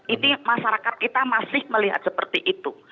ini masyarakat kita masih melihat seperti itu